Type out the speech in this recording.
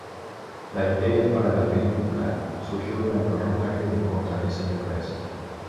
La idea para la película surgió durante el rodaje de Fortaleza de Brest.